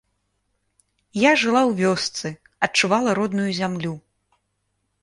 Я жыла ў вёсцы, адчувала родную зямлю.